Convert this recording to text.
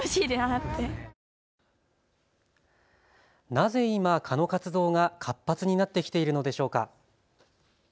なぜ今、蚊の活動が活発になってきているのでしょうか。